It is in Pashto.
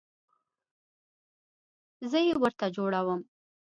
زه یې ورته جوړوم